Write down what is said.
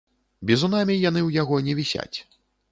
Бізунамі яны ў яго не вісяць.